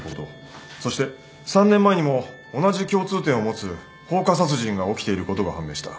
そして３年前にも同じ共通点を持つ放火殺人が起きていることが判明した。